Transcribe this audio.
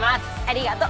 ありがと。